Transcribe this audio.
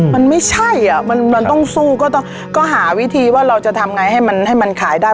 มันไม่ใช่อ่ะมันต้องสู้ก็ต้องก็หาวิธีว่าเราจะทำไงให้มันให้มันขายได้